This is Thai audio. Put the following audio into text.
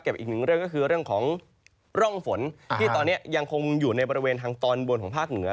อีกหนึ่งเรื่องก็คือเรื่องของร่องฝนที่ตอนนี้ยังคงอยู่ในบริเวณทางตอนบนของภาคเหนือ